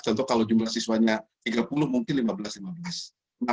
contoh kalau jumlah siswanya tiga puluh mungkin lima belas lima belas